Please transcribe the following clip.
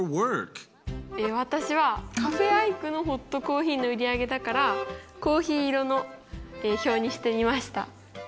私はカフェ・アイクのホットコーヒーの売り上げだからコーヒー色の表にしてみました。